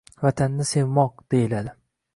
“Vatanni sevmoq” deyiladi.